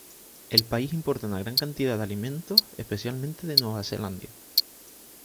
El país importa una gran cantidad de alimentos, especialmente de Nueva Zelandia.